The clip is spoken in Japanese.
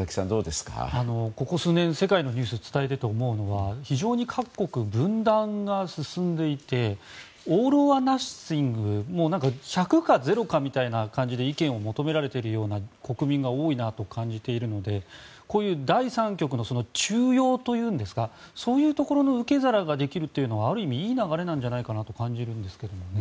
ここ最近世界のニュースを伝えていて思うのは非常に各国、分断が進んでいてオールオアナッシング１００か０かみたいな感じで意見を求められているような国民が多いなと感じているので第三極の中庸というんですかそういうところの受け皿ができるというのはある意味いい流れなんじゃないかなと感じるんですけどね。